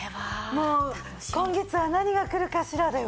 もう今月は何が来るかしらだよね！